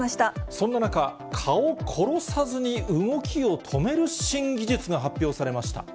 そんな中、蚊を殺さずに動きを止める新技術が発表されました。